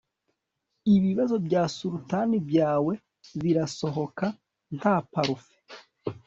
ibibazo bya sultana byawe birasohoka nta parufe